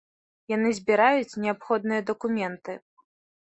Яны збіраюць неабходныя дакументы.